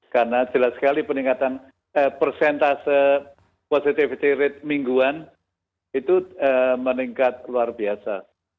karena jelas sekali peningkatan persentase positivity rate mingguan itu meningkat luar biasa